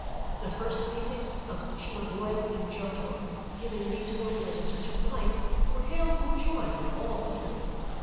The first paintings of Cimabue and Giotto, giving these formulas a touch of life, were hailed with joy by all Italy.